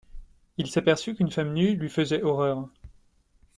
Il s’aperçut qu’une femme nue lui faisait horreur.